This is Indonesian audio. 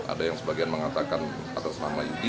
ada yang sebagian mengatakan atas nama yudi